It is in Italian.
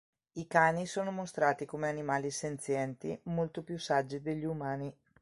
I cani sono mostrati come animali senzienti, molto più saggi degli umani.